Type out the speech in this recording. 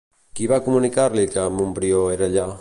Qui va comunicar-li que Montbrió era allà?